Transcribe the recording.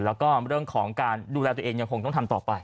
แล้วก็เรื่องของการดูแลตัวเองยังคงต้องทำต่อไป